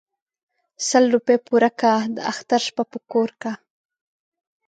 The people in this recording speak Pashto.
ـ سل روپۍ پوره كه داختر شپه په كور كه.